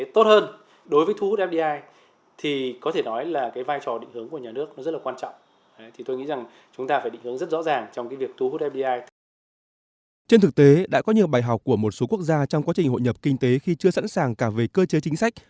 trên thực tế đã có nhiều bài học của một số quốc gia trong quá trình hội nhập kinh tế khi chưa sẵn sàng cả về cơ chế chính sách